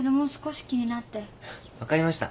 分かりました。